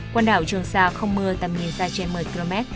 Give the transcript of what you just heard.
quần đảo trường sa không mưa tầm nhìn xa trên một mươi km